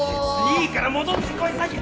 いいから戻って来い佐木！